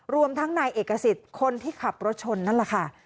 รวมทั้งนายเอกสิทธิ์คนที่ขับรถชนนั่นแหละค่ะ